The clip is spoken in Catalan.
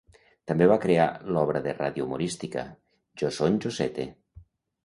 També va crear l'obra de ràdio humorística, "Joson Josette".